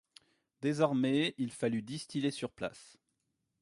Désormais il fallut distiller sur place.